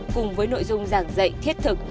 cùng với nội dung giảng dạy thiết thực